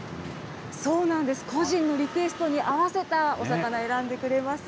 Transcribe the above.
個人のリクエストに合わせたお魚選んでくれます。